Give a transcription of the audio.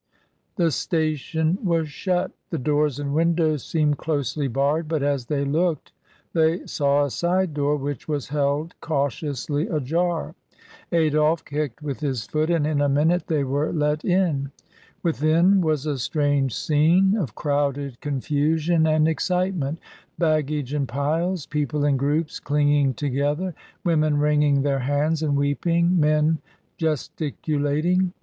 '' The station was shut, the doors and windows seemed closely barred, but as they looked they saw a side door which was held cautiously ajar. Adolphe kicked with his foot, and in a minute they were let in. ... Within was a strange scene of crowded con fusion and excitement — baggage in piles, people in groups clinging together, women wringing their hands and weeping, men gesticulating.